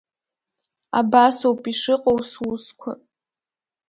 Абасоуп ишыҟоу сусқәа…